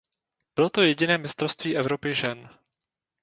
Bylo to jediné mistrovství Evropy žen.